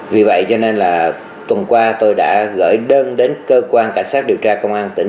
vì vậy cho nên là tuần qua tôi đã gửi đơn đến cơ quan cảnh sát điều tra công an tỉnh